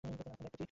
আপনার দায়িত্ব কী?